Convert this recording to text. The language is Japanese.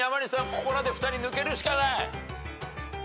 ここらで２人抜けるしかない。